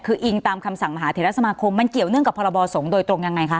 คืออิงตามคำสั่งมหาเทรสมาคมมันเกี่ยวเนื่องกับพรบสงฆ์โดยตรงยังไงคะ